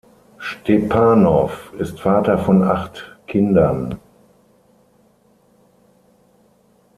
Stepanow ist Vater von acht Kindern.